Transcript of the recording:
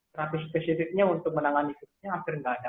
terapi spesifiknya untuk menangani virusnya hampir nggak ada